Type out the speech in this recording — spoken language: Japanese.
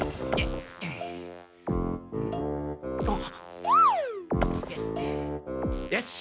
あっよし！